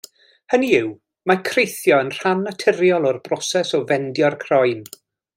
Hynny yw, mae creithio yn rhan naturiol o'r broses o fendio'r croen.